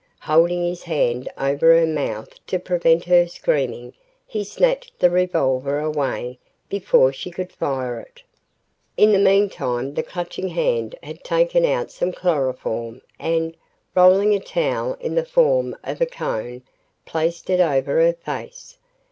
Holding his hand over her mouth to prevent her screaming he snatched the revolver away before she could fire it. In the meantime the Clutching Hand had taken out some chloroform and, rolling a towel in the form of a cone, placed it over her face.